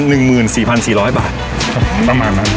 ๑หมื่น๔๔๐๐บาทประมาณนั้น